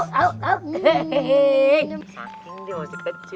saking nih masih kecil